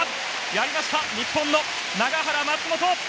やりました、日本の永原、松本！